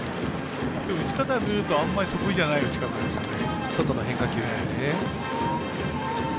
打ち方見るとあまり得意じゃない打ち方ですね。